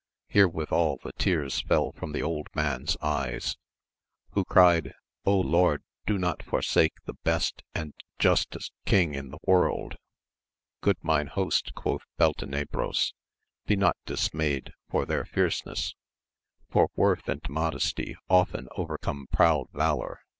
Herewithal, the tears fell from the old man's eyes, who cried, Lord, do not forsake the begt and justest king in the world 1 Good mine host, quoth Beltenebros, be not dismayed for their fierce ness, for worth and modesty often overcome proud valour.